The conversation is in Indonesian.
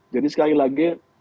jadi sekali lagi